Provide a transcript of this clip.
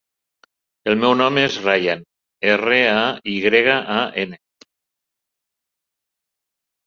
El meu nom és Rayan: erra, a, i grega, a, ena.